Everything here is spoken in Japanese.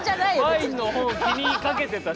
ワインの方気にかけてたし。